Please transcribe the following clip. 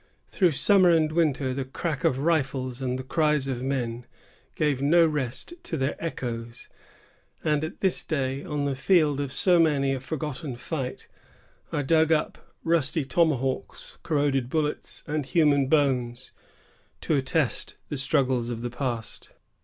Through summer and winter, the crack of rifles and the cries of men gave no rest to their echoes; and at this day, on the field of many a forgotten fight, are dug up rusty tomahawks, corroded bullets, and human bones, to attest the struggles of the past.